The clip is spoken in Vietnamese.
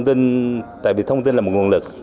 tại vì thông tin là một nguồn lực